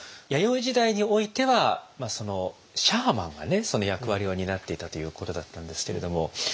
弥生時代においてはシャーマンがねその役割を担っていたということだったんですけれども。